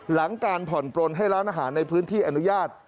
หลังการผ่อนปลนให้ร้านอาหารในพื้นที่อนุญาต